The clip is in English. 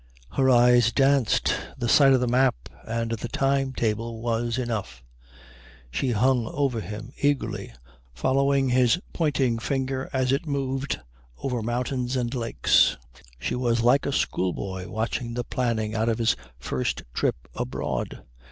Her eyes danced. The sight of the map and the time table was enough. She hung over him eagerly, following his pointing finger as it moved over mountains and lakes. She was like a schoolboy watching the planning out of his first trip abroad.